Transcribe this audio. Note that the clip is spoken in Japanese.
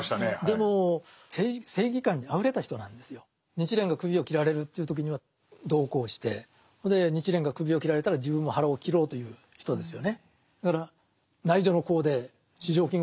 日蓮が首を斬られるという時には同行してそれで日蓮が首を斬られたら自分も腹を切ろうという人ですよね。